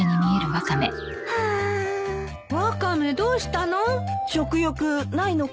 ワカメどうしたの？